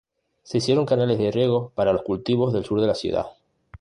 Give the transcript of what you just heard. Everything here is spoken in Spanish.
Se hicieron canales de riego para los cultivos del sur de la ciudad.